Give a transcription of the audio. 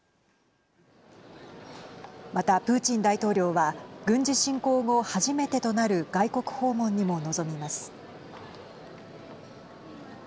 また、プーチン大統領は軍事侵攻後、初めてとなる外国訪問にも臨みます。